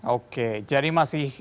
oke jadi masih